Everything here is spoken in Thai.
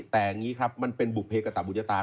แต่อย่างนี้ครับมันเป็นบุเพกตะบุตตา